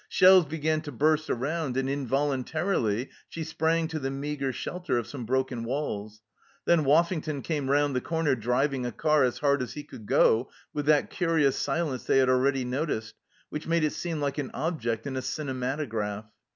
Shells began to burst around, and involuntarily she sprang to the meagre shelter of some broken walls. Then Woffington came round the corner driving a car as hard as he could go, with that curious silence they had already noticed, which made it seem like an object in a cinematograph.